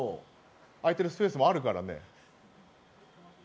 空いてるスペースもあるからね。